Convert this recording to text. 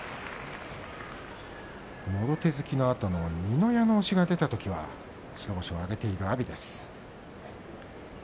もろ手突きのあとの二の矢の押しが出たときは白星を挙げている阿炎です。